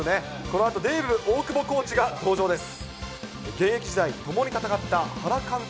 このあとデーブ大久保コーチが登場です。